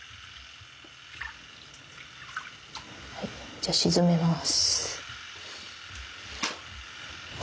じゃあ沈めます。